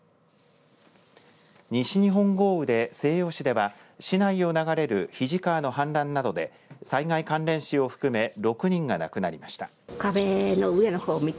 西日本豪雨で西予市では市内を流れる肱川の氾濫などで災害関連死を含め６人が亡くなりました。